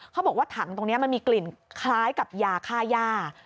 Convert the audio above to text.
เขาบอกว่าถังตรงนี้มันมีกลิ่นคล้ายกับยาค่าย่า